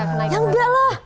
ya enggak lah